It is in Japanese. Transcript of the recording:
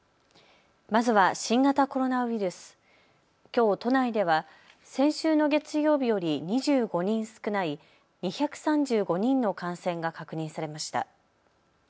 まずは新型コロナウイルス、きょう都内では先週の月曜日より２５人少ない２３５人の感染が確認されました。